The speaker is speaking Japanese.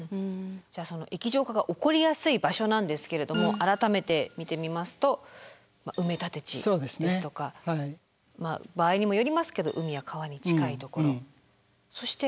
じゃあその液状化が起こりやすい場所なんですけれども改めて見てみますと埋立地ですとか場合にもよりますけど海や川に近いところそして。